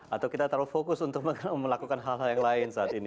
atau kita terlalu fokus untuk melakukan hal hal yang lain saat ini